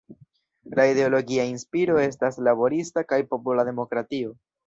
La ideologia inspiro estas laborista kaj popola demokratio.